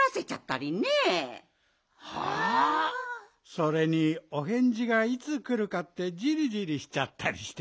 それにおへんじがいつくるかってじりじりしちゃったりして。